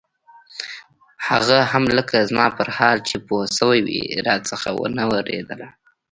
هغه هم لکه زما پر حال چې پوهه سوې وي راڅخه نه وېرېدله.